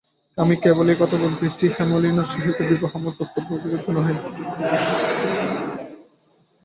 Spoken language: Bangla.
আমি কেবল এই কথা বলিতেছি, হেমনলিনীর সহিত বিবাহ আমার কর্তব্যবিরুদ্ধ নহে।